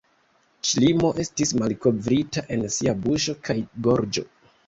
Ŝlimo estis malkovrita en sia buŝo kaj gorĝo.